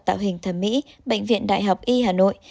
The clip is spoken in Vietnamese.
tạo hình thẩm mỹ bệnh viện đại học y hà nội